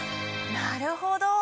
なるほど。